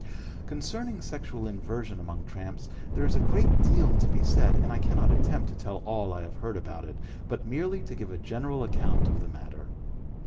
Concerning sexual inversion among tramps, there is a great deal to be said, and I cannot attempt to tell all I have heard about it, but merely to give a general account of the matter.